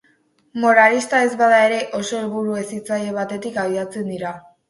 Moralista ez bada ere, oso helburu hezitzaile batetik abiatzen dira.